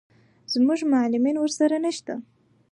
زموږ معلمین ورسره نه شته.